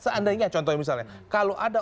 seandainya contohnya misalnya kalau ada